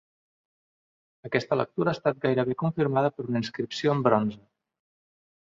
Aquesta lectura ha estat gairebé confirmada per una inscripció en bronze.